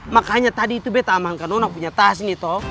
makanya tadi itu beta aman karena punya tas ini toh